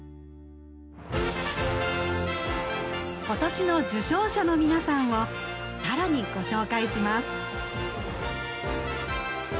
今年の受賞者の皆さんを更にご紹介します。